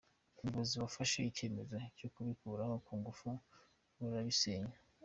Ubuyobozi bwafashe icyemezo cyo kubikuraho ku ngufu, buragisenya.